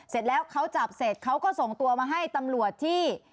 เสร็จแล้วเขาจับเสร็จเขาก็ส่งตัวมาให้ตำรวจที่